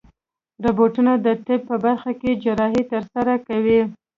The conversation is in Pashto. روبوټونه د طب په برخه کې جراحي ترسره کوي.